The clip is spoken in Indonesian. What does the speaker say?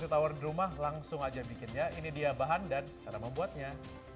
tawar di rumah langsung aja bikin ya ini dia bahan dan cara membuatnya